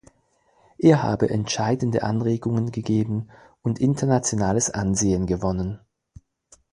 Er habe entscheidende Anregungen gegeben und internationales Ansehen gewonnen.